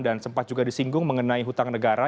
dan sempat juga disinggung mengenai hutang negara